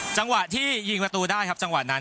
จังหวะที่ยิงประตูได้ครับจังหวะนั้น